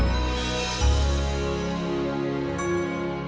tv siang nyuruh